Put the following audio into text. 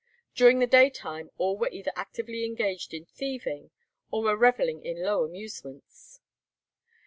During the daytime all were either actively engaged in thieving, or were revelling in low amusements.